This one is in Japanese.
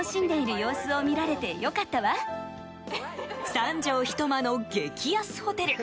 ３畳一間の激安ホテル。